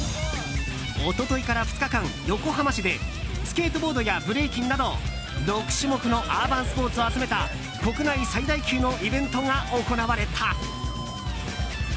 一昨日から２日間、横浜市でスケートボードやブレイキンなど６種目のアーバンスポーツを集めた国内最大級のイベントが行われた。